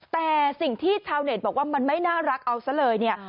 แต่สิ่งที่ชาวเน็ตบอกว่ามันไม่น่ารักเอาซะเลยเนี่ย